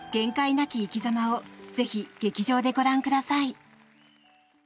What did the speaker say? なき生き様をぜひ劇場で、ご覧ください。